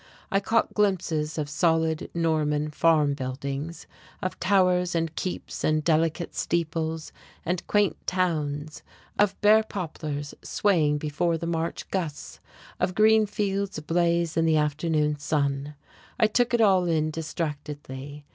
I caught glimpses of solid, Norman farm buildings, of towers and keeps and delicate steeples, and quaint towns; of bare poplars swaying before the March gusts, of green fields ablaze in the afternoon sun. I took it all in distractedly.